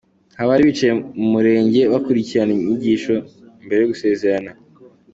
Aha bari bicaye mu murenge bakurikirana inyigisho mbere yo gusezerana.